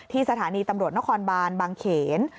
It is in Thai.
สถานีตำรวจนครบานบางเขน